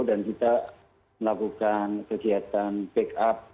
dan kita melakukan kegiatan pick up